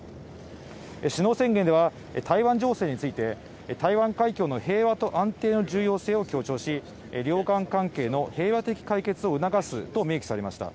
首脳宣言では台湾情勢について台湾海峡の平和と安定の重要性を強調し両岸関係の平和的解決を促すと明記されました。